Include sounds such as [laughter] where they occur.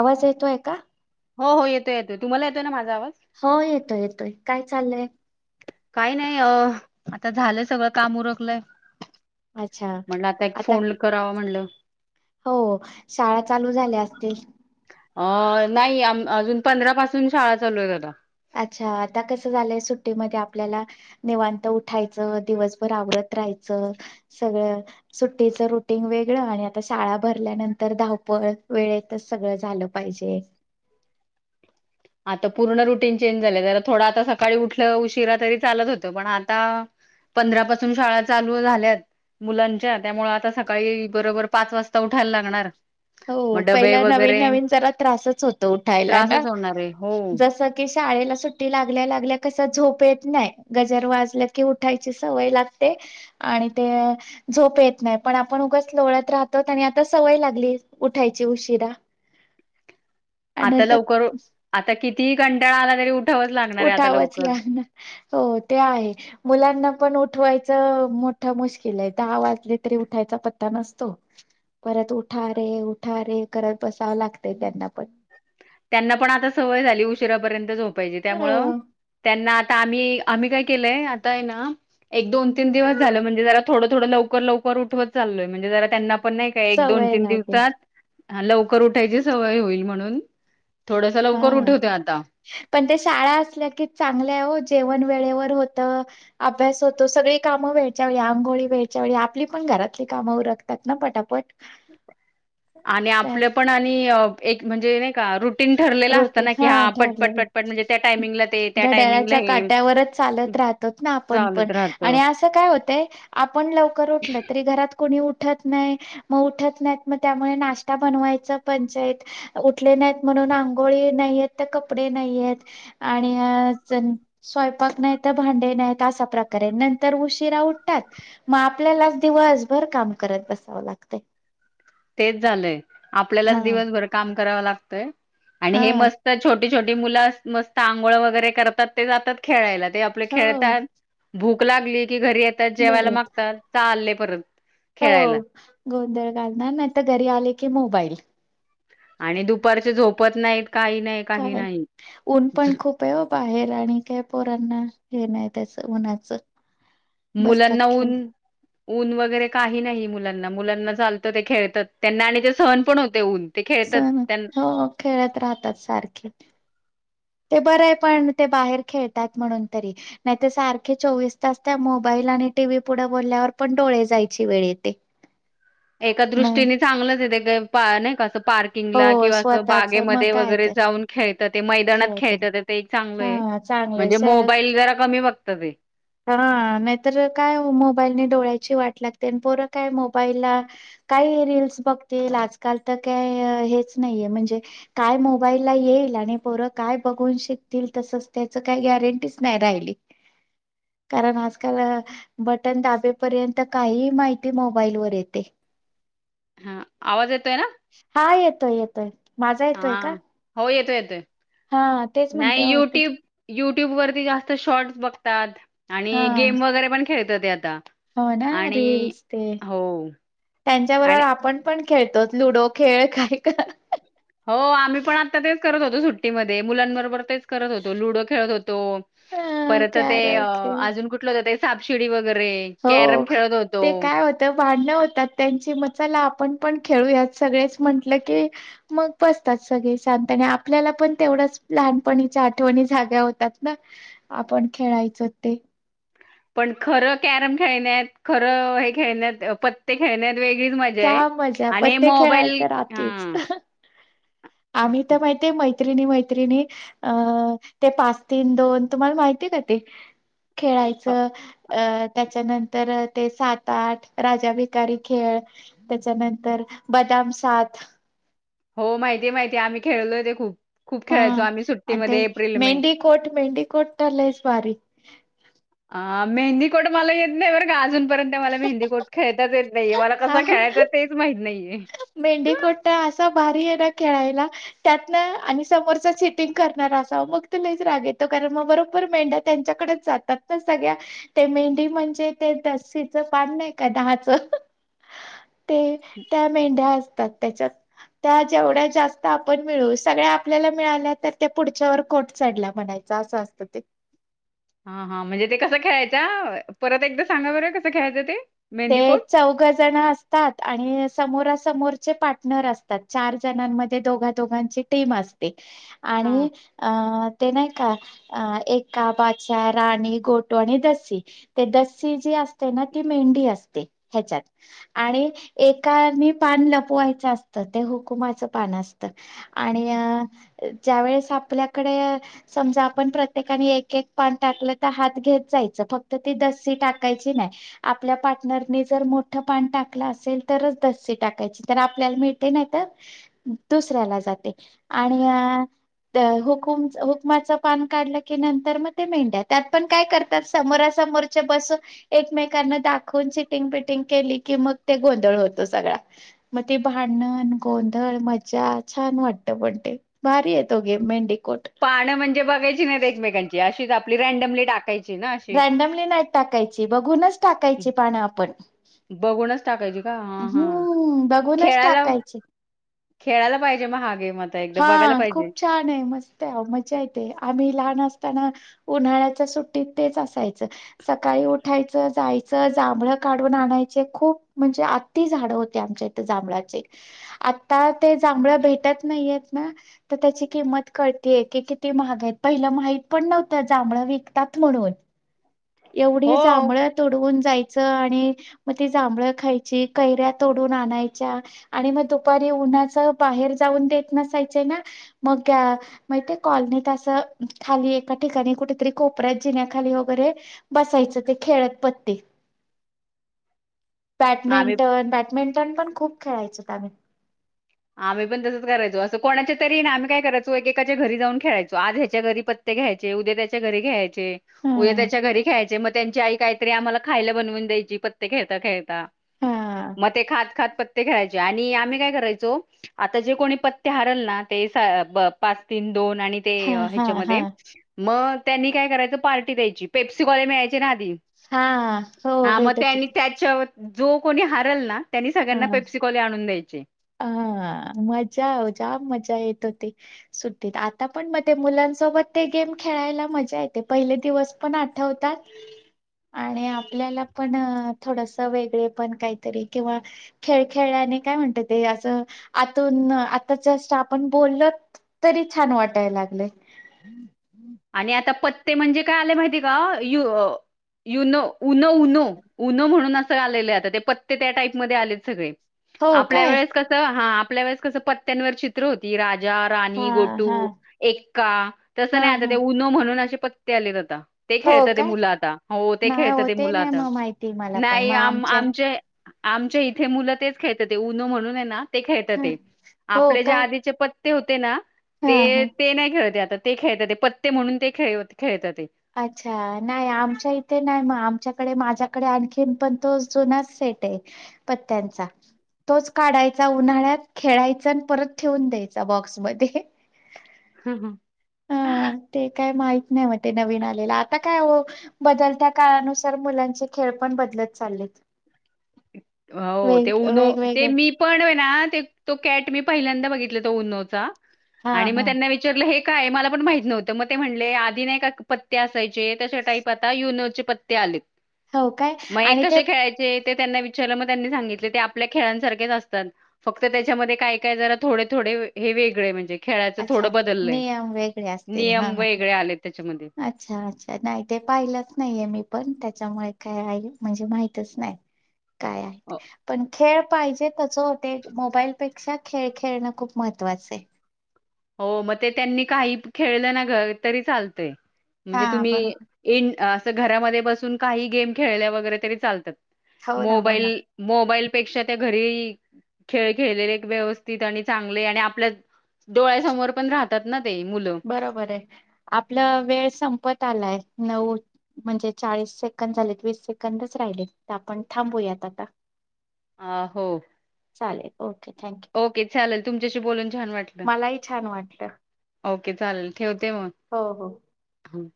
आवाज येतोय का? हो येतोय, येतोय. तुम्हांला येतोय ना माझा आवाज? हो येतोय येतोय काय चाललंय? काही नाही. अ आता झालंय सगळं काम उरकलय अच्छा म्हणलं आता एक फोन करावा म्हटलं. हो, शाळा चालू झाल्या असतील? अ नाही आम अजून पंधरा पासून शाळा चालू होतात आता. अच्छा! आता कसं झालंय सुट्टीमध्ये आपल्याला निवांत उठायचं. दिवसभर आवरत राहायचं सगळं सुट्टीचं रुटीन वेगळं. आणि आता शाळा भरल्यानंतर धावपळ, वेळेतच सगळं झालं पाहिजे. आता पूर्ण रुटीन चेंज झालं. जरा थोडा आता सकाळी उठलं उशिरा तरी चालत होतं. पण आता पंधरा पासून शाळा चालू झाल्यात. मुलांच्या, त्यामुळ आता सकाळी बरोबर पाच वाजता उठायला लागणार. हो मग डबे पहिला नवीन वगैरे नवीन जरा त्रासच होतो उठायला ना. त्रासच होणार आहे हो जस की शाळेला सुट्टी लागल्या लागल्या कस झोप येत नाही. गजर वाजल्या की उठायची सवय लाग ते. आणि ते झोप येत नाही. पण आपण उगच लोळत राहतो. आणि आता सवय लागली उठायची उशिरा. आणि आता तर लवकर आता कितीही कंटाळा आला तरी उ उठावच लागनार. हो ते आहे. मुलांना पण उठवायचं मोठं मुश्किल आहे. दहा वाजले तरी उठायचा पत्ता नसतो. परत उठा रे, उठा रे करत बसावं लागतय त्यांना पण. त्यांना पण आता सवय झाली उशिरापर्यंत झोपायची. हो त्यामुळ त्यांना आता आम्ही आम्ही काय केलंय आताये ना एक, दोन, तीन दिवस झालं म्हणजे जरा थोडं थोडं लवकर लवकर उठवत चाललोय. म्हणजे जरा त्यांना पण नाही का एक, दोन, सवय तीन लागेल दिवसात लवकर उठायची सवय होईल म्हणून. थोडंस हा लवकर उठवते आता. पण ते शाळा असल्या की चांगल आहे ओ. जेवण वेळेवर होत, अभ्यास होतो, सगळी कामं वेळच्या वेळी. आंघोळी वेळच्या वेळी, आपली पण घरातली कामं उरकतात ना पटापट. आणि काय आपलं पण आणि एक म्हणजे नाही का रुट टीन ठरलेला असत रोटे ना कि हा पटपट ठरलेलं. पटपट म्हणजे त्या टायमिंगला ते, त्या टायमिंगला हे त ना आपण पण. चालत राहतं आणि असं काय होतय आपण लवकर उठल तरी घरात कोणी उठ ठत नाही. मग उठत नाहीत मग त्यामुळे नाश्ता बनवायच पंचायत. उठले नाहीत म्हणून आंघोळी नाहीयेत तर कपडे नाहीयेत. आणि आ चं स्वयंपाक नाही तर भांडे नाहीत. असा प्रकार आहे. नंतर उशिरा उठतात मग आपल्यालाच दिवसभर काम करत बसावं लागत. तेच झालंय. आपल्यालाच हा दिवसभर काम कराव लागतंय आणि हे हा मस्त छो टी छोटी मुलं मस्त आंघोळ वगैरे करतात ते जातात खेळायला. ते आपले हो खेळतात भूक लागली की घरी येतात. जेवायला घरी मागतात. चालले परत. हो खेळायला गोंधळ घालणार. नाही तर घरी आले की मोबाईल. आणि दुपारचे झोपत नाहीत काही नाही. काही काय? नाही ऊन पण खूप प आहे ओ बाहेर. आणि काय पोरांना हे नाही त्याच उन्हाचं. बसतात मुलांना ऊन खेळ ऊन वगैरे काही नाही मुलांना. मुलांना चालतं ते खेळतात. त्यांना आणि ते स सहन पण होतय ऊन. ते खेळतात, सण त्यां हो खेळत राहतात सारखे. ते बरं हे पण ते बाहेर खेळतात म्हणून तरी नाही तर सारखे चोवीस तास त्या मोबाईल आणि टीव्ही पुढे बोलल्यावर पण डोळे जायची वेळ येते. एका नाही दृष्टीने चांगलंच हे ते ग पा नाही का ते पार्क किंग हो ला किंवा असं स्वतःच मग बागेमध्ये काय वगैरे तर जाऊन खेळता ते मैदानात खेळतात ते एक चांगलं हे. हा म्हणजे चांगले मोबाईल जरा कमी बघंत ते. हा नाहीतर काय मोबाईल ने डोळ्याची वाट लागते, अन पोरं काय मोबाईलला काय हे रिल्स बघतील, आजकाल तर काय हेच नाहीये म्हणजे काय मोबाईलला येईल आणि पोरं काय बघून शिकतील, तसंच त्याच काय गॅरंटीच नाय राहिली. कारण आजकाल बटन दाबेपर्यंत काहींही माहिती मोबाईल वर येते. [inaudible] येतोय ना हा येतोय-येतोय. माझा येतोय हा का? हो येतोय-येतोय, हा तेच नाय म्हणते हो तेच- युट्यूब युट्यूब वरती जास्त शॉर्ट्स बघतात हा आणि गेम वगैरे पण खेळतं ते आता. हो ना, आणि रिल्स ते हो त्यांच्या बरोबर आणि आपण पण खेळतो लुडो खेळ काही का हो आम्ही पण आता तेच करत होतो सुट्टीमध्ये, मुलांबरोबर तेच करत होतो लुडो खेळत होतो. अ परत ते कॅरम अं खेळ अजून कुठलं गं ते, सापशिडी वगैरे हो, कॅरम खेळत होतो. ते काय हो तं भाडंण होतात त्यांची म चला आपण पण खेळूयात सगळेच म्हंटलं की मग बसतात सगळं शांत आणि आपल्याला पण तेवढंच लहान-पणीच्या आठवणी जाग्या होतात ना. आपण खेळायचं ते. पण खरं कॅरम खेळण्यात, खरं हे खेळण्यात अं पत्ते खेळण्यात वेगळीच मजा ये जा मजा आणि पत्ते खेळायला मोबाईल तर राहतेच. हं. आम्ही तर माहिती ये मैत्रिणी-मैत्रिणी अ ते पाच तीन दोन तुम्हाला माहितीय आहे का ते? अ, खेळायचं अ त्याच्यानंतर ते सात आठ राजा भिकारी खेळ त्याच्यानंतर बदाम सात हो माहिती माहिती आम्ही खेळलो ते खूप खूप खेळायचो आम्ही सुट्टीमध्ये एप्रिल मे कोट मेहंदी कोट तर लईचं भारी. अ मेहंदी कोट मला येत नाही बरं का अजूनपर्यंत मला मेहंदी कोट खेळताचं येत नाही. नाहीये मला कसा खेळायचा तेच माहित नाहीये. मेंढीकोट्टा असा भारी आहे ना खेळायला. त्यात ना आणि समोरच चिटिंग करणार असावं मग तर लईचं राग येतो कारण मग बरोबर मेंढा त्यांच्याकडेच जातात ना सगळ्या ते मेंढी म्हणजे ते दसीच पान नाही का दहाच ते त्या मेंढ्या असतात त्याच्यात. त्या जेवढ्या जास्त आपण मिळवू सगळ्या आपल्याला मिळाल्या तर त्या पुढच्यावर कोट चढल्या म्हणायचं. चाचं असतं ते. हा हा म्हणजे ते कसं खेळायचं परत एकदा सांगा बरं कसं खेळायचं ते. मेहंदीकोट? तेच. चौघ जण असतात आणि समोरा समोरचे पार्टनर असतात चार जणांमध्ये दोघ. दोघांची टीम असते हां. आणि अ ते नाही का अ एका बाचा राणी गोटू आणि दसी. ते दसी जी असते ना ती मेंढी असते ह्याच्यात. आणि एकानी पान लपवायचं असतं ते हुकुमाचं पान असतं. आणि अ ज्यावेेळेस आपल्याकडे समजा आपण प्रत्येकाने एक एक पान टाकलं तर हात घेत जायचं फक्त ती दसी टाकायची नाही. आपल्या पाट नरने जर मोठं पान टाकलं असेल तरच दस्सी टाकायची तर आपल्याला मिळते ना तर दुसऱ्याला जाते आणि अ हुकुम हुकमाचं पान काढलं की नंतर मग ते मेंढ्या त्यात पण काय करत्यात समोरासमोर चे बस एकमेकांना दा खून चिटिंग बिटिंग केली की मग ते गोंधळ होतो सगळा मग ती भांडण गोंधळ मज्जा छान वाटतं पण ते भारी आहे तो गेम मेंढीकोट पानं म्हणजे बघायची नाहीत एकमेकांची अशीच आपली रँडमली टाकायची. ना अशी रँडमली नाहीत टाकायची बघूनच टाकायची पानं आपण. बघूनच टाकायची का? हा हा हम्म बघूनच खेळायला टाकायची खेळायला पाहिजे मग हा गेम आता. एकदा बघायला हा पाहिजे खूप छान आहे. मस्त आहे. मजा येते. आम्ही लहान असताना उन्हाळ्याच्या सुट्टीत तेच असायचं. सकाळी उठायचं, जायचं जांभळं काढून आणायचे. खूप म्हणजे आ ती झाड होते आमच्या इथ जांभळाचे. आता ते जांभळ भेटत नाहीयेत ना तर त्याची किंमत कळतिये की किती महाग आहेत. पहिला माहित पण नव्हतं जांभळं विकतात म्हणून. [inaudible] एवढी जांभळं तूडवून जायचं आणि मग ती जांभळं खायची, कैऱ्या तोडून आणायच्या. आणि मग दुपारी उन्हाच बाहेर जाऊन देत नसायचे ना मग मग ते कॉलनीत असं खाली एका ठिकाणी कुठेतरी कोपऱ्यात जिन्याखाली वगैरे बसायचं ते खेळत पत्ते. [inaudible] आम्ही बॅडमिंटन बॅडमिंटन पण खूप खेळायचोत आम्ही. आम्ही पण तसच करायचो, असं कोणाच्या तरी ना आम्ही काय करायचो? एकेकाच्या घरी जाऊन खेळायचो आज ह्याच्या घरी प ते घ्यायचे उद्या त्याच्या घरी खेळायचे, हा उद्या त्याच्या घरी खेळायचे मग त्यांची आई काहीतरी आम्हाला खायला बनवून द्यायची पत्ते खेळता खेळता. हा मग ते खात खात पत्ते खेळायचो आणि आम्ही काय करायचो? आता जे कोणी पत्ते हारल ना ते पाच तीन दोन आणि ते हा हा हा ह्याच्यामध्ये मग त्यांनी काय करायचं पार्टी द्यायची. पेप्सी गोळे मिळायचे ना आधी हा हो हा मग भेटत त्यांनी होते त्याच्यावर जो कोणी हारंल ना त्यांनी हा सगळ्यांना पेप्सी गोळे आणून द्यायचे. हा मज्जा जाम मजा येत होती. सुट्टीत आता पण मग ते मुलांसोबत ते गेम खेळायला मजा येते. पहिले दिवस पण आठवतात. आणि आपल्याला पण थोडस वेगळे पण काहीतरी किंवा खेळ खेळल्याने काय म्हणतात? ते असं आतून आता जस्ट आपण बोललत तरी छान वाटायला लागले. आणि आता पत्ते म्हणजे काय आले माहितीय का? You you know Uno Uno Uno म्हणून असं आलेलं हाय आता. ते पत्ते त्या टाईपमध्ये आलेत सगळे. हो आपल्या काय वेळेस कस हा आपल्या वेळेस कस पत्त्यांवर चित्र होती राजा हा राणी, हा गोटू, एक्का तसं हा नाही आता हा ते उनो म्हणून असे पत्ते आलेत आता. ते हो खेळता ते काय मुलं आता. हो ते नाही खेळता ते होते मुल नाही आता मग माहिती मला पण नाही मग आम आमच्या आमचे आमच्या इथे मुलं तेच खेळता ते उनो म्हणून आहे ना. ते खेळता हा ते. हो आपले जे का आधीचे पत्ते होते ना हा हा ते ते नाही खेळते आता ते. ते खेळतात ते, पत्ते म्हणून ते खेळ खेळता ते. अच्छा! नाही, आमच्या इथे नाही मग आमच्याकडे माझ्याकडे आणखीन पण तो जुनाच सेट आहे पत्त्यांचा. तोच काढायचा उन्हाळ्यात खेळायचा आणि परत ठेवून द्यायचा बॉक्समध्ये. हा हा. हा ते काय माहीत नाही म ते नवीन आलेलं. आता काय हो? बदलत्या काळानुसार मुलांचे खेळ पण बदलत चाललेत. हो ते वेग उनो ते वेगवेगळे मी पण ना तो कॅट मी पहिल्यांदा बघितला त उननोचा हां आणि म हां. त्यांना वि चारल हे काय मला पण माहित नव्हतं म ते म्हणले आधी नाही का पत्ते असायचे तश टाईप आता युनोचे पत्ते आलेत. हो काय? मग हे आणि ते कसे खेळायचे? ते त्यांना विचारलं मग त्यांनी सांगितले ते आपल्या खेळांसारखेच असतात. फक्त त्याच्यामध्ये काय काय जरा थोडे थोडे हे वेगळे म्हणजे खेळाचं अच्छा. थोडं बदललय. नियम वेगळे असतील. हां नियम हां. वेगळेे आले त्याच्यामध्ये. अच्छा अच्छा नाही ते पाहिलंच नाहीये मी पण त्याच्यामुळे काय आहे म्हणजे माहितच नाही. [inaudible] काय आहेत? अ, पण खेळ पाहिजे, कस होते मोबाईलपेक्षा खेळ खेळणं खूप महत्त्वाचं आहे. हो, मग ते त्यांनी काही खेळलं ना घरी तरी चालतय म्हणजे हा तुम्ही बरोबर. इन असं घरामध्ये बसून काही गेम खेळल्या वगैरे तरी चालतात. हो ना हो ना मोबाईल मोबाईलपेक्षा त्या घरी खेळ खेळलेले व्यवस्थित आणि चांगले आणि आपल्या डोळ्यासमोर पण राहतात ना ते मुलं. बरोबर आहे आपला वेळ संपत आलाय नऊ म्हणजे चाळीस‌ से कंद झाले वीस सेकंदच राहिले तर आपण थांबूयात आता. आ हो. चालेल ओके थँक्यू. ओके चालेल तुमच्याशी बोलून छान वाटलं, मलाही छान वाटलं ओके चालेल ठेवते मग. हो हो. हम्.